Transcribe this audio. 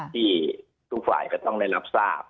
ที่ทุกฝ่ายก็ต้องได้รับทราบ